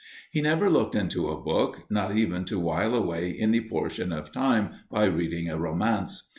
He never looked into a book, not even to wile away any portion of time by reading a romance.